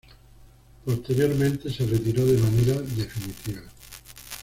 Posteriormente se retiró de manera definitiva.